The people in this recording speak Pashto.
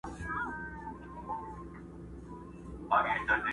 سیوری د قسمت مي په دې لاره کي لیدلی دی،